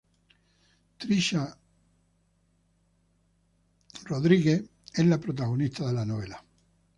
Trisha McFarland es la protagonista de la novela.